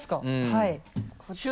はい。